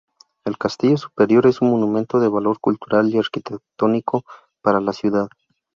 El castillo superior es un monumento de valor cultural y arquitectónico para la ciudad.